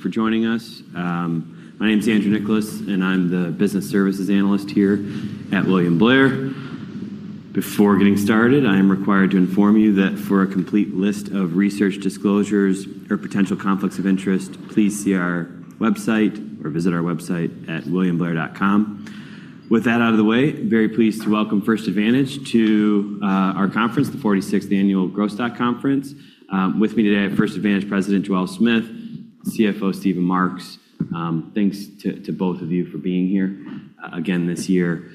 For joining us. My name is Andrew Nicholas, and I'm the Business Services Analyst here at William Blair. Before getting started, I am required to inform you that for a complete list of research disclosures or potential conflicts of interest, please see our website or visit our website at williamblair.com. With that out of the way, very pleased to welcome First Advantage to our conference, the 46th Annual Growth Stock Conference. With me today, I have First Advantage President, Joelle Smith, CFO, Steven Marks. Thanks to both of you for being here again this year.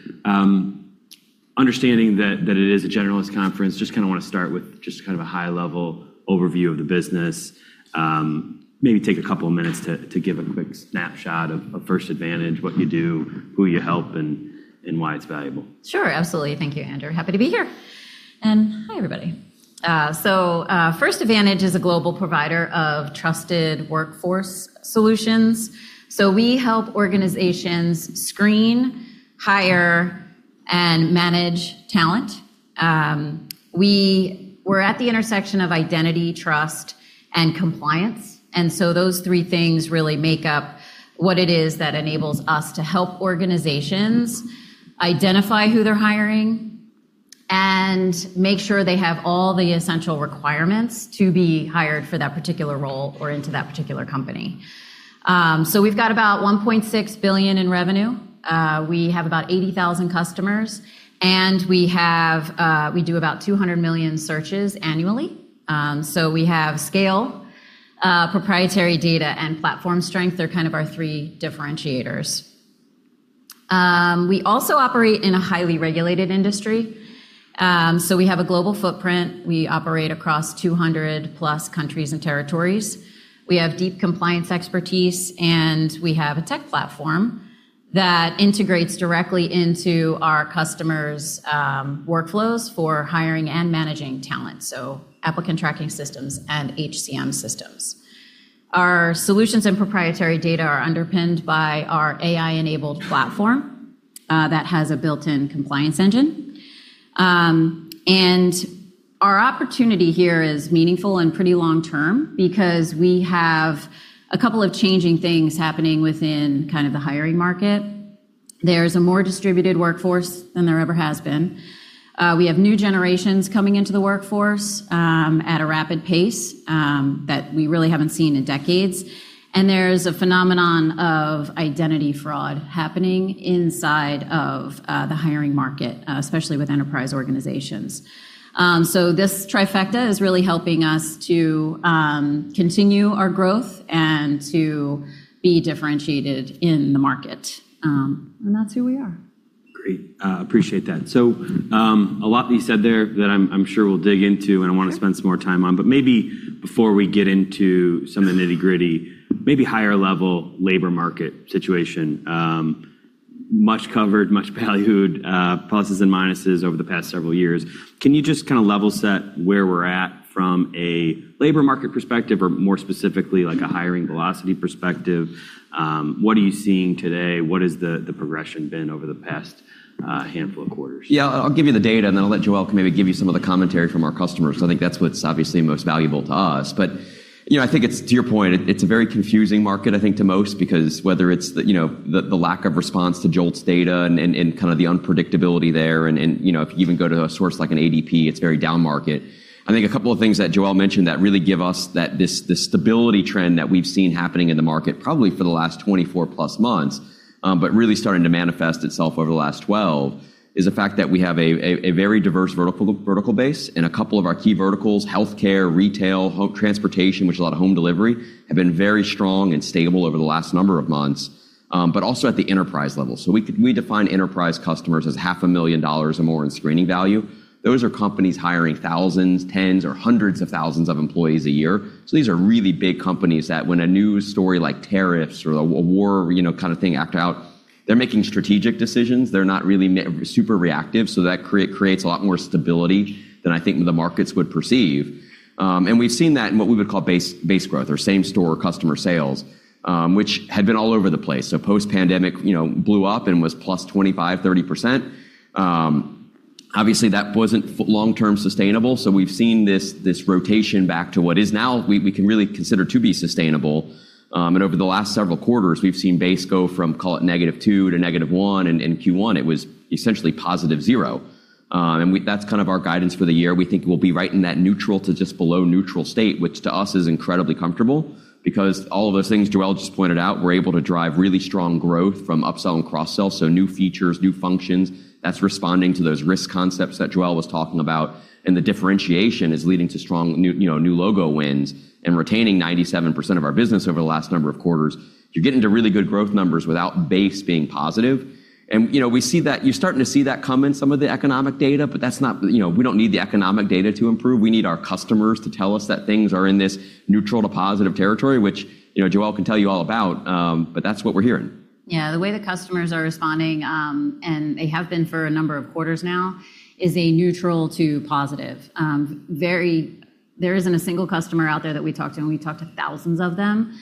Understanding that it is a generalist conference, just kind of want to start with just kind of a high-level overview of the business. Maybe take a couple of minutes to give a quick snapshot of First Advantage, what you do, who you help, and why it's valuable. Sure. Absolutely. Thank you, Andrew. Happy to be here. Hi, everybody. First Advantage is a global provider of trusted workforce solutions. We help organizations screen, hire, and manage talent. We're at the intersection of identity, trust, and compliance, and so those three things really make up what it is that enables us to help organizations identify who they're hiring and make sure they have all the essential requirements to be hired for that particular role or into that particular company. We've got about $1.6 billion in revenue. We have about 80,000 customers, and we do about 200 million searches annually. We have scale, proprietary data, and platform strength. They're kind of our three differentiators. We also operate in a highly regulated industry. We have a global footprint. We operate across 200+ countries and territories. We have deep compliance expertise, and we have a tech platform that integrates directly into our customers' workflows for hiring and managing talent, so applicant tracking systems and HCM systems. Our solutions and proprietary data are underpinned by our AI-enabled platform that has a built-in compliance engine. Our opportunity here is meaningful and pretty long-term because we have a couple of changing things happening within kind of the hiring market. There's a more distributed workforce than there ever has been. We have new generations coming into the workforce at a rapid pace that we really haven't seen in decades. There's a phenomenon of identity fraud happening inside of the hiring market, especially with enterprise organizations. This trifecta is really helping us to continue our growth and to be differentiated in the market. That's who we are. Great. Appreciate that. A lot that you said there that I'm sure we'll dig into. Sure I want to spend some more time on. Maybe before we get into some of the nitty-gritty, maybe higher-level labor market situation. Much-covered, much-ballyhooed pluses and minuses over the past several years. Can you just kind of level set where we're at from a labor market perspective or more specifically, like a hiring velocity perspective? What are you seeing today? What has the progression been over the past handful of quarters? Yeah, I'll give you the data, and then I'll let Joelle maybe give you some of the commentary from our customers, because I think that's what's obviously most valuable to us. I think it's to your point, it's a very confusing market, I think, to most, because whether it's the lack of response to JOLTS data and kind of the unpredictability there, and if you even go to a source like an ADP, it's very down market. I think a couple of things that Joelle mentioned that really give us this stability trend that we've seen happening in the market probably for the last 24+ months, but really starting to manifest itself over the last 12, is the fact that we have a very diverse vertical base in a couple of our key verticals, healthcare, retail, transportation, which a lot of home delivery, have been very strong and stable over the last number of months. Also at the enterprise level. We define enterprise customers as $500,000 or more in screening value. Those are companies hiring 1,000s, 10s, or 100,000s of employees a year. These are really big companies that when a news story like tariffs or a war kind of thing act out, they're making strategic decisions. They're not really super reactive. That creates a lot more stability than I think the markets would perceive. We've seen that in what we would call base growth or same-store customer sales, which had been all over the place. Post-pandemic blew up and was +25%, 30%. Obviously, that wasn't long-term sustainable. We've seen this rotation back to what is now we can really consider to be sustainable. Over the last several quarters, we've seen base go from, call it -2 to -1, and in Q1, it was essentially +0. That's kind of our guidance for the year. We think we'll be right in that neutral to just below neutral state, which to us is incredibly comfortable because all of those things Joelle just pointed out, we're able to drive really strong growth from upsell and cross-sell, so new features, new functions. That's responding to those risk concepts that Joelle was talking about. The differentiation is leading to strong new logo wins and retaining 97% of our business over the last number of quarters. You get into really good growth numbers without base being positive. You're starting to see that come in some of the economic data. We don't need the economic data to improve. We need our customers to tell us that things are in this neutral to positive territory, which Joelle can tell you all about. That's what we're hearing. Yeah. The way the customers are responding, and they have been for a number of quarters now, is a neutral to positive. There isn't a single customer out there that we talk to, and we talk to 1,000s of them,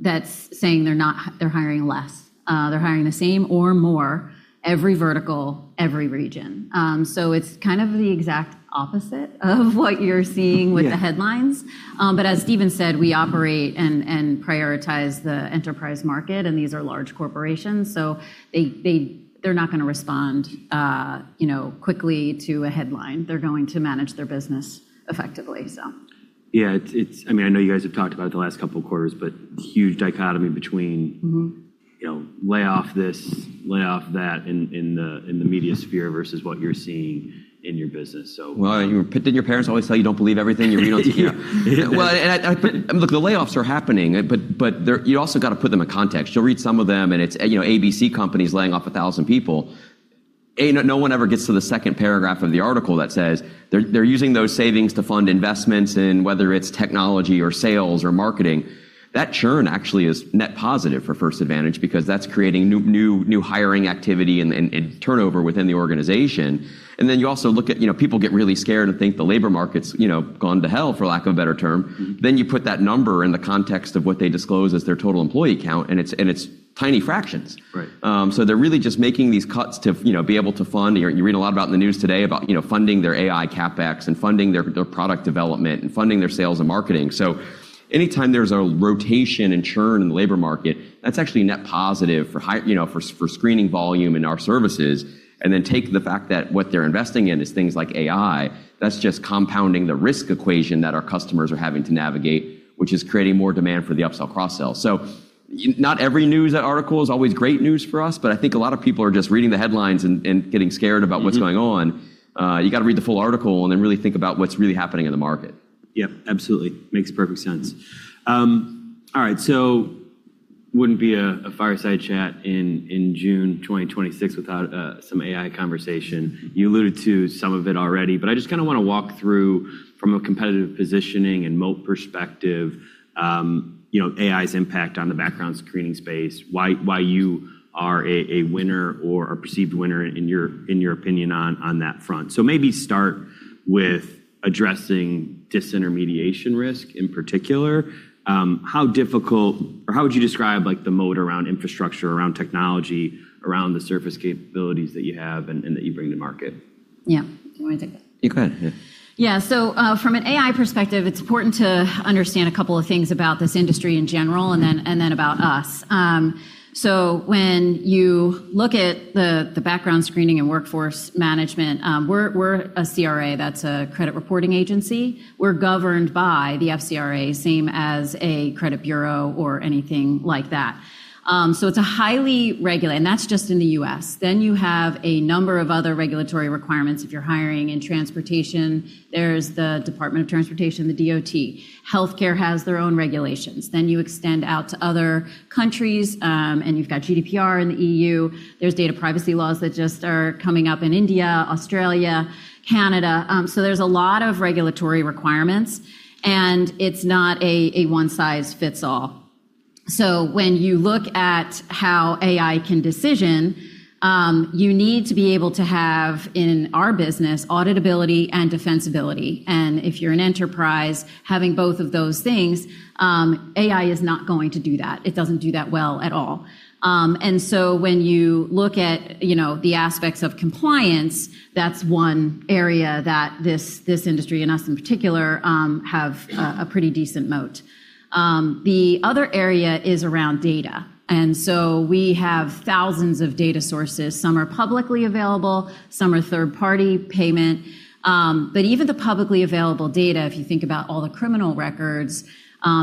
that's saying they're hiring less. They're hiring the same or more every vertical, every region. It's the exact opposite of what you're seeing with the headlines. Yeah. As Steven said, we operate and prioritize the enterprise market, and these are large corporations, so they're not going to respond quickly to a headline. They're going to manage their business effectively. Yeah. I know you guys have talked about it the last couple of quarters, but huge dichotomy between. Lay off this, lay off that in the media sphere versus what you're seeing in your business. Well, didn't your parents always tell you. Yeah. Look, the layoffs are happening. You also got to put them in context. You'll read some of them. It's ABC company's laying off 1,000 people. A, no one ever gets to the second paragraph of the article that says they're using those savings to fund investments in whether it's technology or sales or marketing. That churn actually is net positive for First Advantage because that's creating new hiring activity and turnover within the organization. You also look at, people get really scared and think the labor market's gone to hell, for lack of a better term. You put that number in the context of what they disclose as their total employee count, and it's tiny fractions. Right. They're really just making these cuts to be able to fund. You read a lot about in the news today about funding their AI CapEx and funding their product development and funding their sales and marketing. Anytime there's a rotation and churn in the labor market, that's actually net positive for screening volume in our services, and then take the fact that what they're investing in is things like AI. That's just compounding the risk equation that our customers are having to navigate, which is creating more demand for the upsell cross-sell. Not every news article is always great news for us, but I think a lot of people are just reading the headlines and getting scared about what's going on. You got to read the full article and then really think about what's really happening in the market. Yep, absolutely. Makes perfect sense. All right, wouldn't be a Fireside Chat in June 2026 without some AI conversation. You alluded to some of it already, I just want to walk through from a competitive positioning and moat perspective, AI's impact on the background screening space, why you are a winner or a perceived winner in your opinion on that front. Maybe start with addressing disintermediation risk in particular. How difficult or how would you describe the moat around infrastructure, around technology, around the service capabilities that you have and that you bring to market? Yeah. Do you want to take that? You go ahead, yeah. Yeah. From an AI perspective, it's important to understand a couple of things about this industry in general and then about us. When you look at the background screening and workforce management, we're a CRA. That's a credit reporting agency. We're governed by the FCRA, same as a credit bureau or anything like that. It's highly regulated, and that's just in the U.S. You have a number of other regulatory requirements if you're hiring in transportation. There's the Department of Transportation, the DOT. Healthcare has their own regulations. You extend out to other countries, and you've got GDPR in the E.U. There's data privacy laws that just are coming up in India, Australia, Canada. There's a lot of regulatory requirements, and it's not a one-size-fits-all. When you look at how AI can decision, you need to be able to have, in our business, auditability and defensibility. If you're an enterprise, having both of those things, AI is not going to do that. It doesn't do that well at all. When you look at the aspects of compliance, that's one area that this industry, and us in particular, have a pretty decent moat. The other area is around data, and so we have 1,000s of data sources. Some are publicly available, some are third-party payment. Even the publicly available data, if you think about all the criminal records,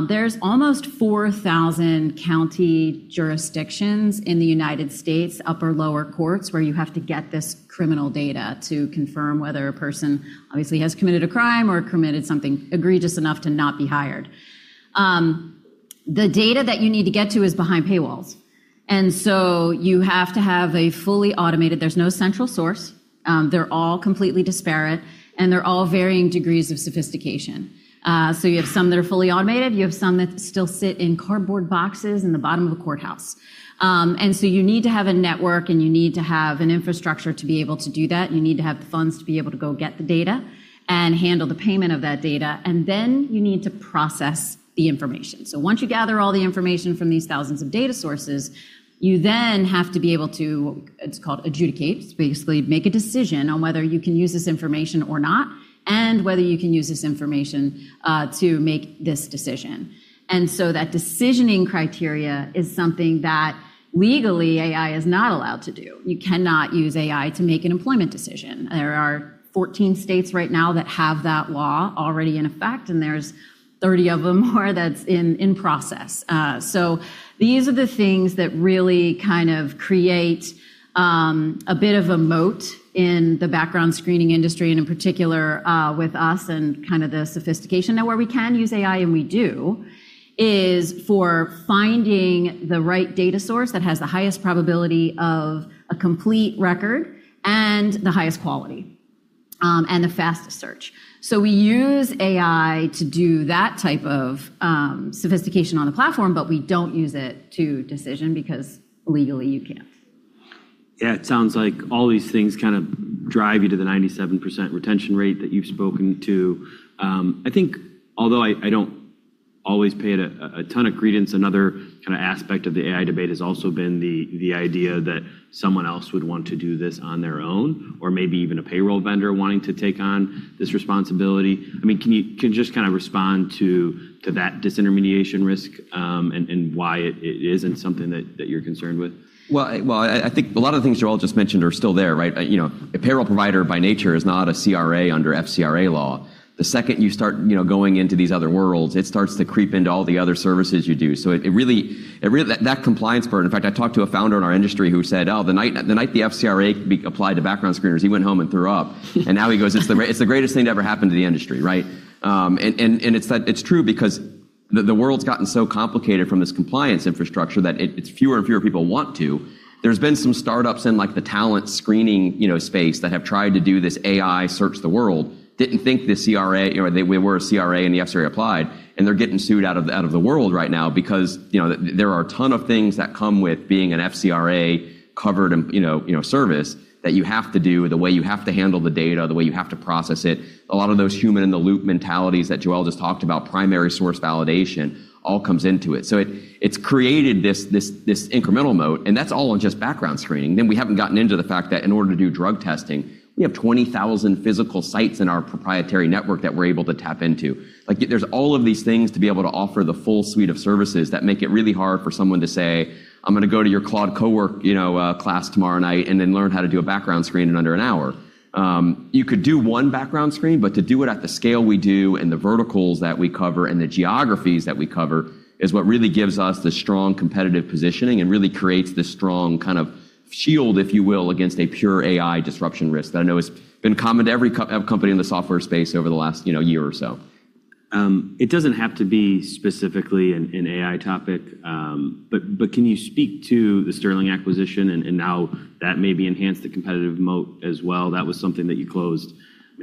there's almost 4,000 county jurisdictions in the United States, upper, lower courts, where you have to get this criminal data to confirm whether a person obviously has committed a crime or committed something egregious enough to not be hired. The data that you need to get to is behind paywalls. There's no central source. They're all completely disparate, and they're all varying degrees of sophistication. You have some that are fully automated. You have some that still sit in cardboard boxes in the bottom of a courthouse. You need to have a network, and you need to have an infrastructure to be able to do that, and you need to have the funds to be able to go get the data and handle the payment of that data, and then you need to process the information. Once you gather all the information from these 1,000s of data sources, you then have to be able to, it's called adjudicate, basically make a decision on whether you can use this information or not and whether you can use this information to make this decision. That decisioning criteria is something that legally AI is not allowed to do. You cannot use AI to make an employment decision. There are 14 states right now that have that law already in effect, and there's 30 of them more that's in process. These are the things that really create a bit of a moat in the background screening industry, and in particular, with us and the sophistication. Now, where we can use AI, and we do, is for finding the right data source that has the highest probability of a complete record and the highest quality, and the fastest search. We use AI to do that type of sophistication on the platform, but we don't use it to decision because legally you can't. It sounds like all these things kind of drive you to the 97% retention rate that you've spoken to. I think although I don't always pay it a ton of credence, another aspect of the AI debate has also been the idea that someone else would want to do this on their own, or maybe even a payroll vendor wanting to take on this responsibility. Can you just respond to that disintermediation risk, and why it isn't something that you're concerned with? I think a lot of the things Joelle just mentioned are still there, right? A payroll provider by nature is not a CRA under FCRA law. The second you start going into these other worlds, it starts to creep into all the other services you do. That compliance burden, in fact, I talked to a founder in our industry who said, oh, the night the FCRA applied to background screeners, he went home and threw up. Now he goes, "It's the greatest thing to ever happen to the industry," right? It's true because the world's gotten so complicated from this compliance infrastructure that it's fewer and fewer people want to. There's been some startups in the talent screening space that have tried to do this AI search the world, didn't think they were a CRA, and the FCRA applied, and they're getting sued out of the world right now because there are a ton of things that come with being an FCRA-covered service that you have to do, the way you have to handle the data, the way you have to process it. A lot of those human-in-the-loop mentalities that Joelle just talked about, primary source validation, all comes into it. It's created this incremental moat, and that's all on just background screening. We haven't gotten into the fact that in order to do drug testing, we have 20,000 physical sites in our proprietary network that we're able to tap into. There's all of these things to be able to offer the full suite of services that make it really hard for someone to say, "I'm going to go to your Claude Cowork class tomorrow night and then learn how to do a background screen in under an hour." You could do one background screen, to do it at the scale we do and the verticals that we cover and the geographies that we cover is what really gives us the strong competitive positioning and really creates this strong kind of shield, if you will, against a pure AI disruption risk that I know has been common to every company in the software space over the last year or so. It doesn't have to be specifically an AI topic. Can you speak to the Sterling acquisition, and how that maybe enhanced the competitive moat as well? That was something that you closed,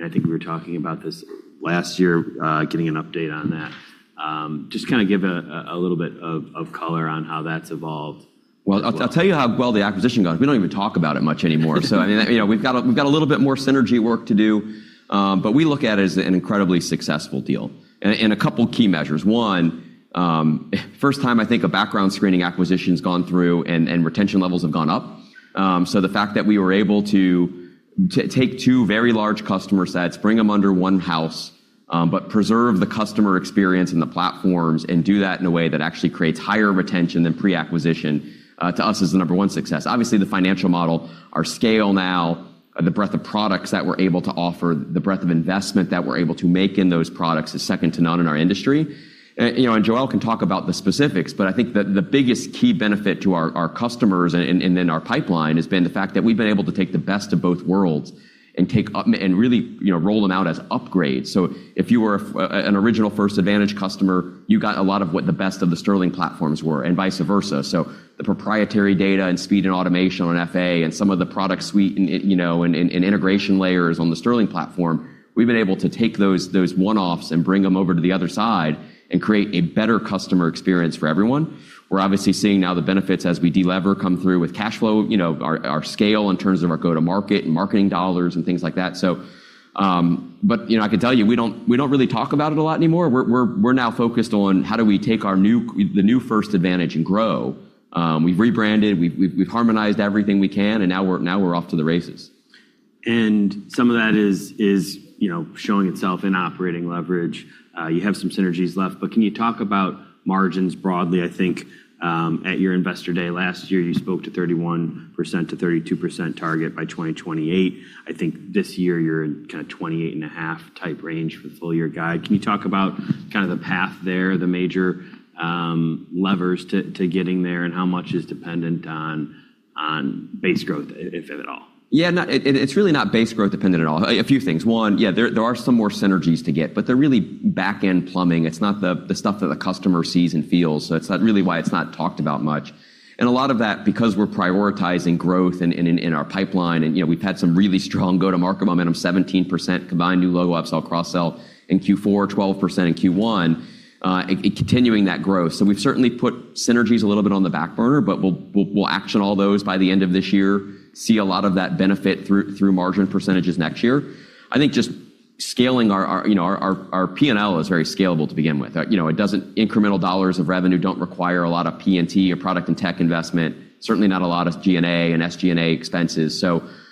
I think we were talking about this last year, getting an update on that. Just give a little bit of color on how that's evolved as well. I'll tell you how well the acquisition goes. We don't even talk about it much anymore. We've got a little bit more synergy work to do. We look at it as an incredibly successful deal in a couple key measures. One, first time I think a background screening acquisition's gone through, and retention levels have gone up. The fact that we were able to take two very large customer sets, bring them under one house, but preserve the customer experience and the platforms, and do that in a way that actually creates higher retention than pre-acquisition, to us is the number one success. Obviously, the financial model, our scale now, the breadth of products that we're able to offer, the breadth of investment that we're able to make in those products is second to none in our industry. Joelle can talk about the specifics, but I think the biggest key benefit to our customers and in our pipeline has been the fact that we've been able to take the best of both worlds and really roll them out as upgrades. If you were an original First Advantage customer, you got a lot of what the best of the Sterling platforms were, and vice versa. The proprietary data and speed and automation on FA and some of the product suite and integration layers on the Sterling platform, we've been able to take those one-offs and bring them over to the other side and create a better customer experience for everyone. We're obviously seeing now the benefits as we de-lever come through with cash flow, our scale in terms of our go-to-market and marketing dollars and things like that. I can tell you, we don't really talk about it a lot anymore. We're now focused on how do we take the new First Advantage and grow. We've rebranded. We've harmonized everything we can, and now we're off to the races. Some of that is showing itself in operating leverage. You have some synergies left, but can you talk about margins broadly? I think at your investor day last year, you spoke to 31%-32% target by 2028. I think this year you're in 28.5% type range for the full-year guide. Can you talk about the path there, the major levers to getting there, and how much is dependent on base growth, if at all? It's really not base growth dependent at all. A few things. One, there are some more synergies to get, but they're really back-end plumbing. It's not the stuff that the customer sees and feels. That's really why it's not talked about much. A lot of that, because we're prioritizing growth in our pipeline, and we've had some really strong go-to-market momentum, 17% combined new logo upsell, cross-sell in Q4, 12% in Q1, continuing that growth. We've certainly put synergies a little bit on the back burner, but we'll action all those by the end of this year, see a lot of that benefit through margin % next year. I think just scaling our P&L is very scalable to begin with. Incremental dollars of revenue don't require a lot of P&T or product and tech investment, certainly not a lot of G&A and SG&A expenses.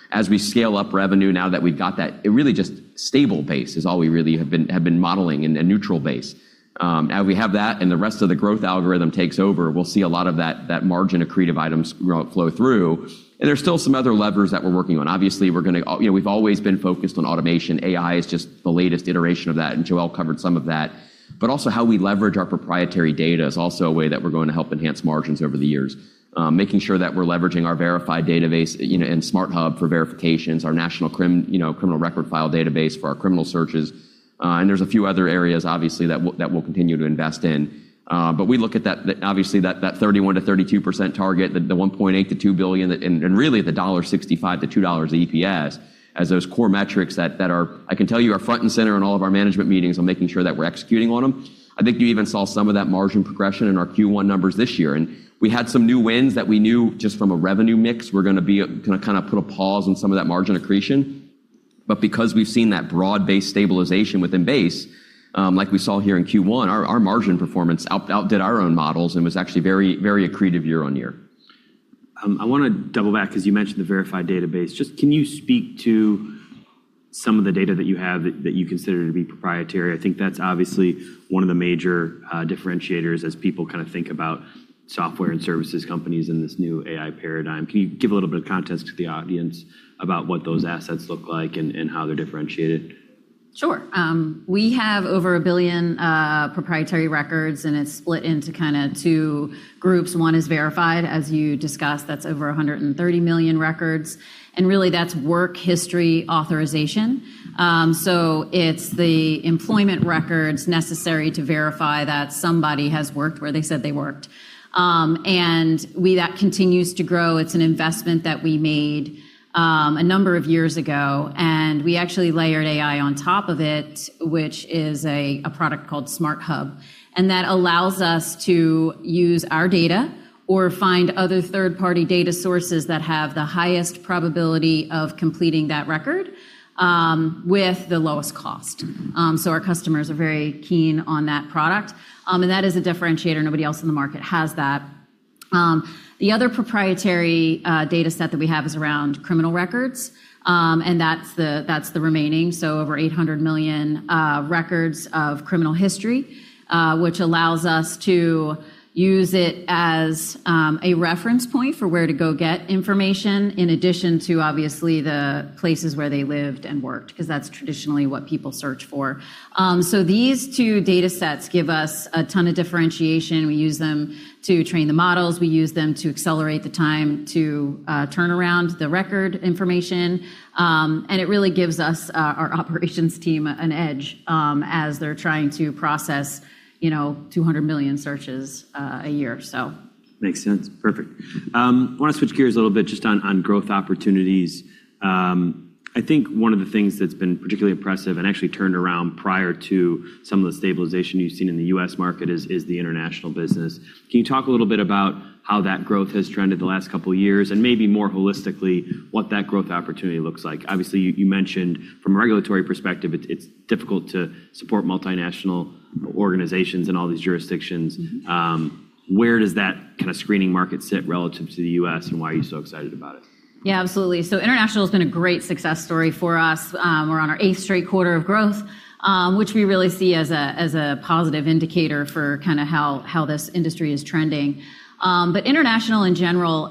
As we scale up revenue, now that we've got that, it really just stable base is all we really have been modeling in a neutral base. As we have that and the rest of the growth algorithm takes over, we'll see a lot of that margin accretive items flow through. There's still some other levers that we're working on. Obviously, we've always been focused on automation. AI is just the latest iteration of that, and Joelle covered some of that. Also how we leverage our proprietary data is also a way that we're going to help enhance margins over the years. Making sure that we're leveraging our verified database and Smart Hub for verifications, our national criminal record file database for our criminal searches. There's a few other areas, obviously, that we'll continue to invest in. We look at that, obviously, that 31%-32% target, the $1.8 billion-$2 billion, and really the $1.65-$2 EPS as those core metrics that are, I can tell you, are front and center in all of our management meetings on making sure that we're executing on them. I think you even saw some of that margin progression in our Q1 numbers this year. We had some new wins that we knew just from a revenue mix were going to put a pause on some of that margin accretion. Because we've seen that broad-based stabilization within base, like we saw here in Q1, our margin performance outdid our own models and was actually very accretive year on year. I want to double back because you mentioned the verified database. Just can you speak to some of the data that you have that you consider to be proprietary? I think that's obviously one of the major differentiators as people think about software and services companies in this new AI paradigm. Can you give a little bit of context to the audience about what those assets look like and how they're differentiated? Sure. We have over 1 billion proprietary records, and it's split into two groups. One is verified, as you discussed. That's over 130 million records, and really that's work history authorization. It's the employment records necessary to verify that somebody has worked where they said they worked. That continues to grow. It's an investment that we made a number of years ago, and we actually layered AI on top of it, which is a product called Smart Hub. That allows us to use our data or find other third-party data sources that have the highest probability of completing that record with the lowest cost. Our customers are very keen on that product. That is a differentiator. Nobody else in the market has that. The other proprietary dataset that we have is around criminal records, and that's the remaining, so over 800 million records of criminal history, which allows us to use it as a reference point for where to go get information, in addition to obviously the places where they lived and worked, because that's traditionally what people search for. These two datasets give us a ton of differentiation. We use them to train the models. We use them to accelerate the time to turn around the record information. It really gives our operations team an edge as they're trying to process 200 million searches a year. Makes sense. Perfect. I want to switch gears a little bit just on growth opportunities. I think one of the things that's been particularly impressive and actually turned around prior to some of the stabilization you've seen in the U.S. market is the international business. Can you talk a little bit about how that growth has trended the last couple of years and maybe more holistically what that growth opportunity looks like? Obviously, you mentioned from a regulatory perspective, it's difficult to support multinational organizations in all these jurisdictions. Where does that screening market sit relative to the U.S., and why are you so excited about it? Absolutely. International has been a great success story for us. We're on our eighth straight quarter of growth, which we really see as a positive indicator for how this industry is trending. International in general,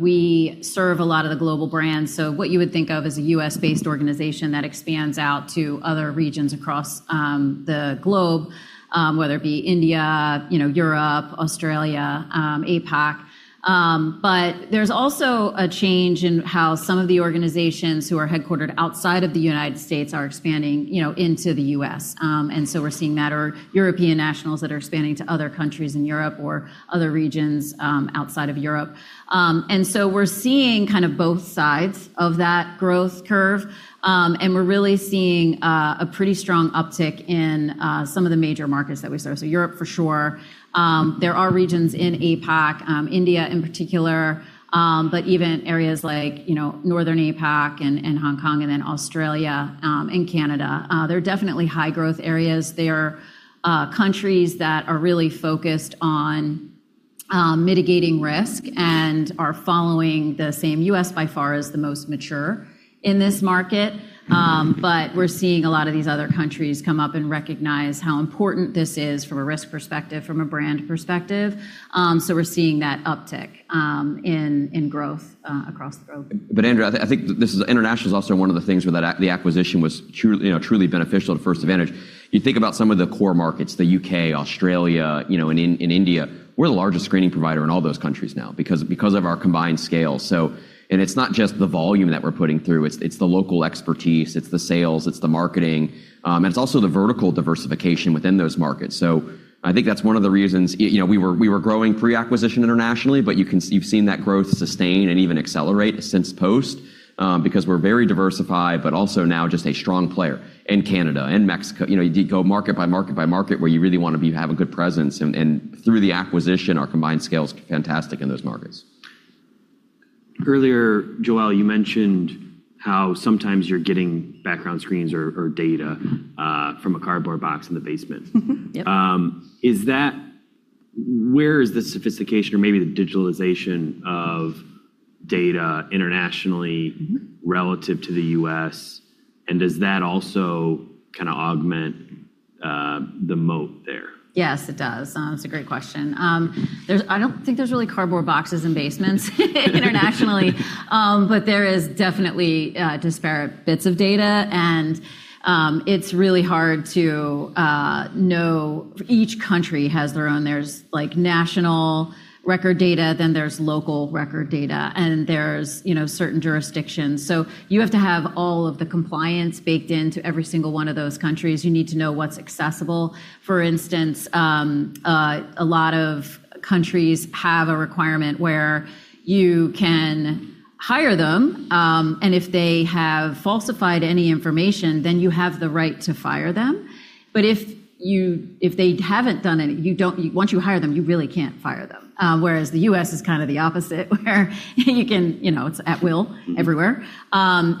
we serve a lot of the global brands, so what you would think of as a U.S.-based organization that expands out to other regions across the globe whether it be India, Europe, Australia, APAC. There's also a change in how some of the organizations who are headquartered outside of the United States are expanding into the U.S. We're seeing that, or European nationals that are expanding to other countries in Europe or other regions outside of Europe. We're seeing both sides of that growth curve, and we're really seeing a pretty strong uptick in some of the major markets that we serve. Europe for sure. There are regions in APAC, India in particular, but even areas like Northern APAC and Hong Kong, and then Australia and Canada. They're definitely high-growth areas. They are countries that are really focused on mitigating risk and are following the same. U.S., by far, is the most mature in this market. We're seeing a lot of these other countries come up and recognize how important this is from a risk perspective, from a brand perspective. We're seeing that uptick in growth across the globe. Andrew, I think international is also one of the things where the acquisition was truly beneficial to First Advantage. You think about some of the core markets, the U.K., Australia, and India. We're the largest screening provider in all those countries now because of our combined scale. It's not just the volume that we're putting through, it's the local expertise, it's the sales, it's the marketing, and it's also the vertical diversification within those markets. I think that's one of the reasons we were growing pre-acquisition internationally, but you've seen that growth sustain and even accelerate since post because we're very diversified, but also now just a strong player in Canada and Mexico. You go market by market by market where you really want to have a good presence, and through the acquisition, our combined scale is fantastic in those markets. Earlier, Joelle, you mentioned how sometimes you're getting background screens or data from a cardboard box in the basement. Yep. Where is the sophistication or maybe the digitalization of data internationally? Relative to the U.S., and does that also augment the moat there? Yes, it does. That's a great question. I don't think there's really cardboard boxes in basements internationally, but there is definitely disparate bits of data, and it's really hard to know. Each country has their own. There's national record data, then there's local record data, and there's certain jurisdictions. You have to have all of the compliance baked into every single one of those countries. You need to know what's accessible. For instance, a lot of countries have a requirement where you can hire them, and if they have falsified any information, then you have the right to fire them. If they haven't done any-- Once you hire them, you really can't fire them. Whereas the U.S. is the opposite where it's at will everywhere.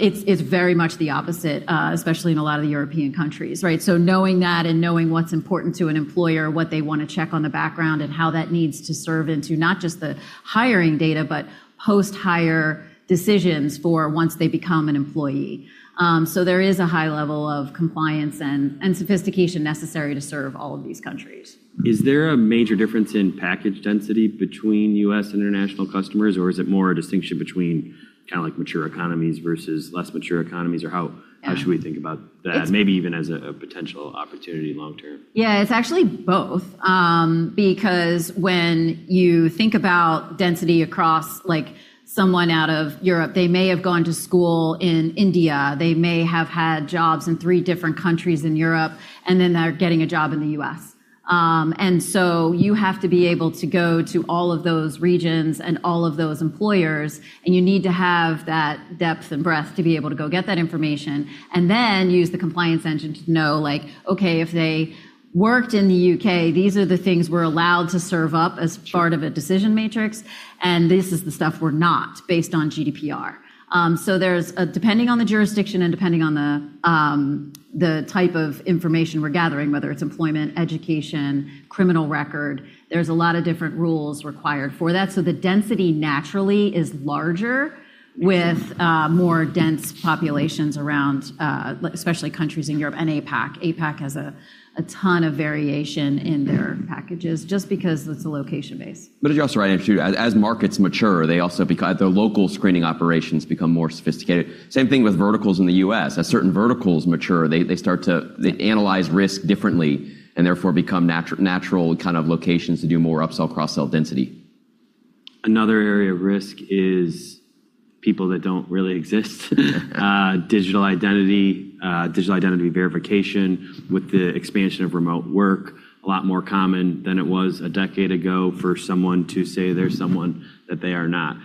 It's very much the opposite, especially in a lot of the European countries, right? Knowing that and knowing what's important to an employer, what they want to check on the background, and how that needs to serve into not just the hiring data, but post-hire decisions for once they become an employee. There is a high level of compliance and sophistication necessary to serve all of these countries. Is there a major difference in package density between U.S. and international customers, or is it more a distinction between mature economies versus less mature economies? Yeah Should we think about that, maybe even as a potential opportunity long term? Yeah, it's actually both. When you think about density across someone out of Europe, they may have gone to school in India, they may have had jobs in three different countries in Europe, then they're getting a job in the U.S. You have to be able to go to all of those regions and all of those employers, you need to have that depth and breadth to be able to go get that information, then use the compliance engine to know, okay, if they worked in the U.K., these are the things we're allowed to serve up as part- Sure Of a decision matrix, and this is the stuff we're not, based on GDPR. Depending on the jurisdiction and depending on the type of information we're gathering, whether it's employment, education, criminal record, there's a lot of different rules required for that. The density naturally is larger with more dense populations around, especially countries in Europe and APAC. APAC has a ton of variation in their packages just because it's location-based. As you also rightly alluded to, as markets mature, their local screening operations become more sophisticated. Same thing with verticals in the U.S. As certain verticals mature, they start to analyze risk differently and therefore become natural kind of locations to do more upsell, cross-sell density. Another area of risk is people that don't really exist. Digital identity verification with the expansion of remote work, a lot more common than it was a decade ago for someone to say they're someone that they are not.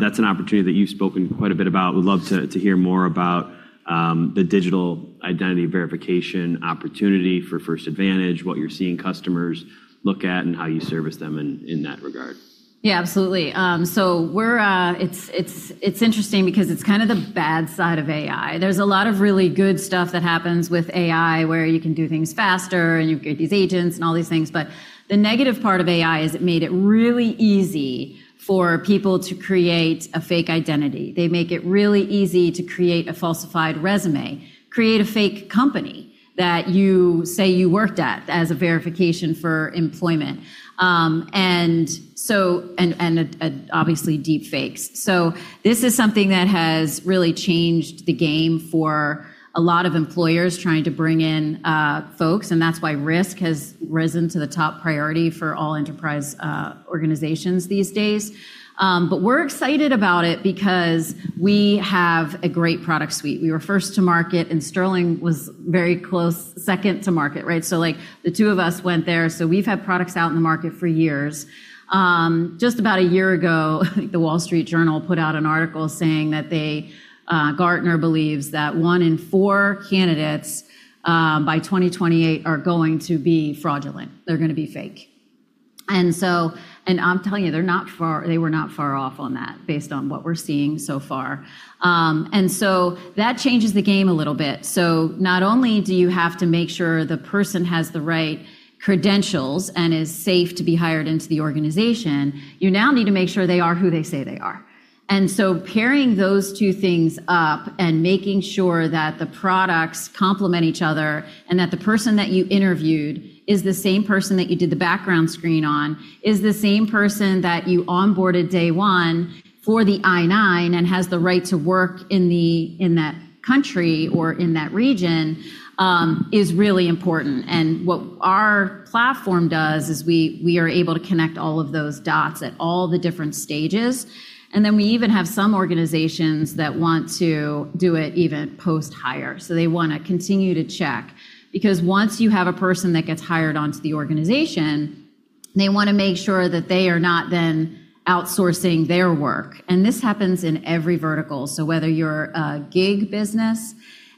That's an opportunity that you've spoken quite a bit about. Would love to hear more about the digital identity verification opportunity for First Advantage, what you're seeing customers look at, and how you service them in that regard. Yeah, absolutely. It's interesting because it's the bad side of AI. There's a lot of really good stuff that happens with AI where you can do things faster and you create these agents and all these things. The negative part of AI is it made it really easy for people to create a fake identity. They make it really easy to create a falsified resume, create a fake company that you say you worked at as a verification for employment, and obviously deep fakes. This is something that has really changed the game for a lot of employers trying to bring in folks, and that's why risk has risen to the top priority for all enterprise organizations these days. We're excited about it because we have a great product suite. We were first to market, and Sterling was very close second to market, right? The two of us went there. We've had products out in the market for years. Just about a year ago, I think The Wall Street Journal put out an article saying that Gartner believes that one in four candidates by 2028 are going to be fraudulent. They're going to be fake. I'm telling you, they were not far off on that based on what we're seeing so far. That changes the game a little bit. Not only do you have to make sure the person has the right credentials and is safe to be hired into the organization, you now need to make sure they are who they say they are. Pairing those two things up and making sure that the products complement each other and that the person that you interviewed is the same person that you did the background screen on, is the same person that you onboarded day one for the I-9 and has the right to work in that country or in that region, is really important. What our platform does is we are able to connect all of those dots at all the different stages. We even have some organizations that want to do it even post-hire. They want to continue to check. Once you have a person that gets hired onto the organization, they want to make sure that they are not then outsourcing their work. This happens in every vertical. Whether you're a gig business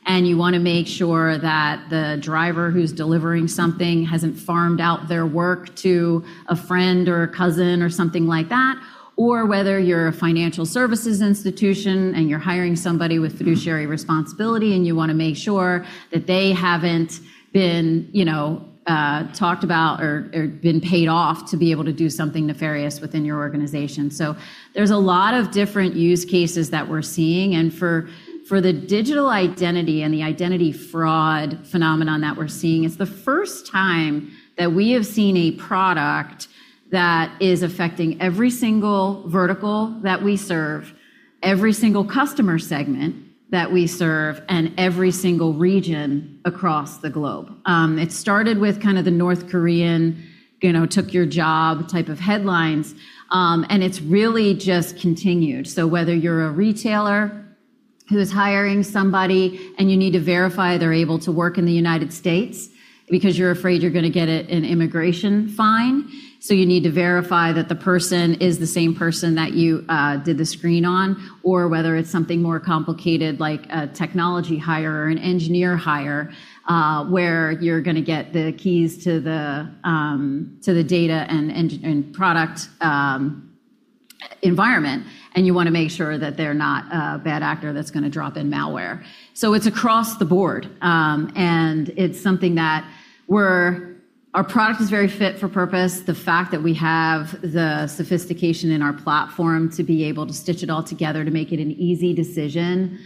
and you want to make sure that the driver who's delivering something hasn't farmed out their work to a friend or a cousin or something like that, or whether you're a financial services institution and you're hiring somebody with fiduciary responsibility and you want to make sure that they haven't been talked about or been paid off to be able to do something nefarious within your organization. There's a lot of different use cases that we're seeing, and for the digital identity and the identity fraud phenomenon that we're seeing, it's the first time that we have seen a product that is affecting every single vertical that we serve, every single customer segment that we serve, and every single region across the globe. It started with the North Korean took your job type of headlines. It's really just continued. Whether you're a retailer who is hiring somebody and you need to verify they're able to work in the United States because you're afraid you're going to get an immigration fine. You need to verify that the person is the same person that you did the screen on, or whether it's something more complicated like a technology hire or an engineer hire, where you're going to get the keys to the data and product environment, and you want to make sure that they're not a bad actor that's going to drop in malware. It's across the board. It's something that our product is very fit for purpose. The fact that we have the sophistication in our platform to be able to stitch it all together to make it an easy decision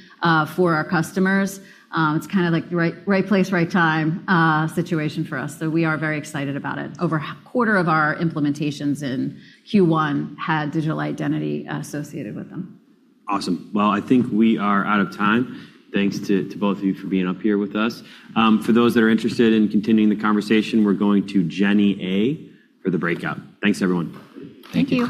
for our customers, it's like right place, right time situation for us. We are very excited about it. Over a quarter of our implementations in Q1 had digital identity associated with them. Awesome. Well, I think we are out of time. Thanks to both of you for being up here with us. For those that are interested in continuing the conversation, we're going to Jenny Wen for the breakout. Thanks, everyone. Thank you.